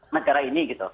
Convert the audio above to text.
negara ini gitu